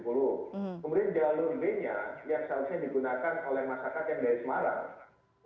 kemudian jalur b nya yang seharusnya digunakan oleh masyarakat yang dari semarang